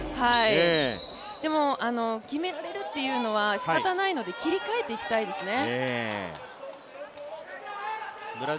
でも決められるというのは、しかたないので、切り替えていきたいですね。